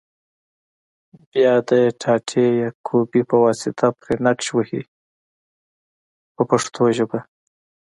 بیا د ټاټې یا کوبې په واسطه پرې نقش وهي په پښتو ژبه.